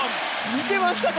見てましたか？